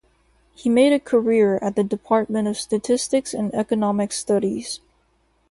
He made a career at the Department of Statistics and Economic Studies.